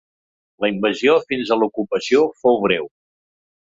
La invasió fins a l'ocupació fou breu.